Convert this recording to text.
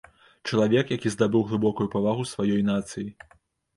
Чалавек, які здабыў глыбокую павагу сваёй нацыі.